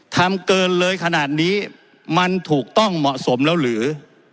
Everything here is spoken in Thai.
ทำเกินเลยขนาดนี้มันถูกต้องเหมาะสมแล้วหรือ